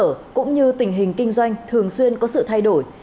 tuy nhiên số cơ sở cũng như tình hình kinh doanh thường xuyên có sự thay đổi